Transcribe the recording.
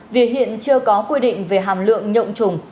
vì hiện chưa có quy định về hàm lượng nhộn trùng